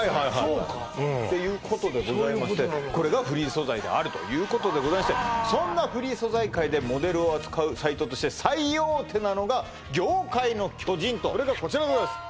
そうかそういうことなのかうんこれがフリー素材であるということでございましてそんなフリー素材界でモデルを扱うサイトとして最大手なのが業界の巨人とそれがこちらでございます